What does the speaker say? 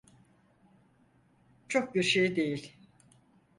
Çok bir şey değil.